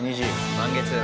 満月。